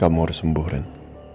kamu harus sembuh randy